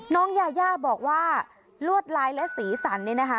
น้องยาย่าบอกว่าลวดลายและสีสันเนี่ยนะคะ